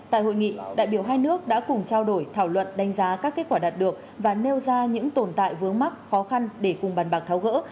tại hội nghị đại biểu hai nước đã cùng trao đổi thảo luận đánh giá các kết quả đạt được và nêu ra những tồn tại vướng mắc khó khăn để cùng bàn bạc tháo gỡ